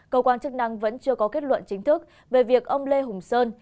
cơ quan chức năng vẫn chưa có kết luận chính thức về việc ông lê hùng sơn